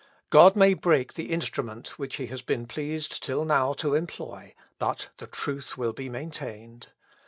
God may break the instrument which he has been pleased till now to employ, but the truth will be maintained.